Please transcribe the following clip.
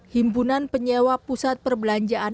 himpunan penyewa pusat perbelanjaan